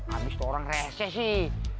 abis tuh orang rese sih